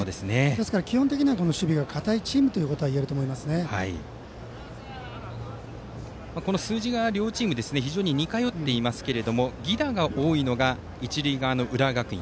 ですから基本的には守備が堅いチームというのはこの数字が両チーム非常に似通っていますが犠打が多いのが一塁側の浦和学院。